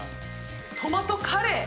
トマトカレー！